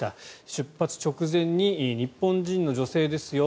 出発直前に日本人の女性ですよ